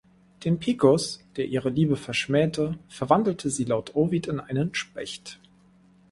Den Picus, der ihre Liebe verschmähte, verwandelte sie laut Ovid in einen Specht.